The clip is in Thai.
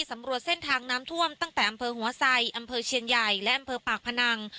สำรวจเส้นทางน้ำท่วมตั้งแต่อำเภอหัวไซอำเภอเชียนใหญ่และอำเภอปากพนัง